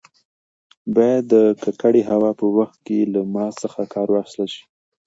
باید د ککړې هوا په وخت کې له ماسک څخه کار واخیستل شي.